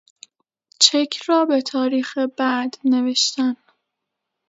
چک را به تاریخ بعد نوشتن